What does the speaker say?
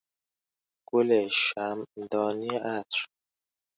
گل شمعدانی عطر